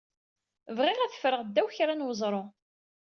Bɣiɣ ad ffreɣ ddaw kra n weẓru.